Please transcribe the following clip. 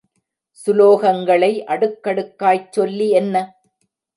சுலோகங்களை அடுக்கடுக்காய்ச் சொல்லி என்ன?